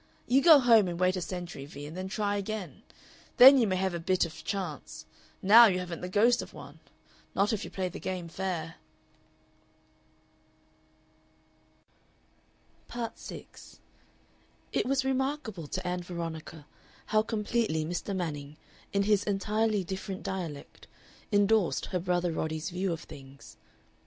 You go home and wait a century, Vee, and then try again. Then you may have a bit of a chance. Now you haven't the ghost of one not if you play the game fair." Part 6 It was remarkable to Ann Veronica how completely Mr. Manning, in his entirely different dialect, indorsed her brother Roddy's view of things.